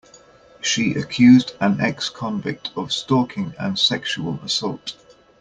She accused an ex-convict of stalking and sexual assault.